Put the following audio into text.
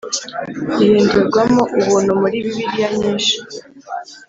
rihindurwamo “ubuntu” muri Bibiliya nyinsh